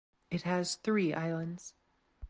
It has three islands.